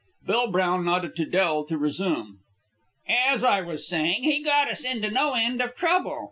Bill Brown nodded to Del to resume. "As I was saying, he got us into no end of trouble.